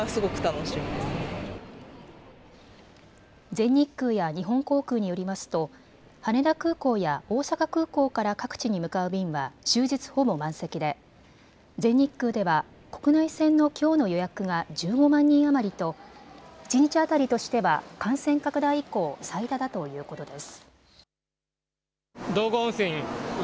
全日空や日本航空によりますと羽田空港や大阪空港から各地に向かう便は終日、ほぼ満席で全日空では国内線のきょうの予約が１５万人余りと一日当たりとしては感染拡大以降、最多だということです。